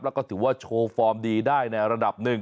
แล้วก็ถือว่าโชว์ฟอร์มดีได้ในระดับหนึ่ง